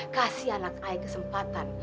kasih anak ayah kesempatan